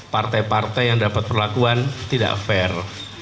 partai partai yang dapat perlakuan tidak fair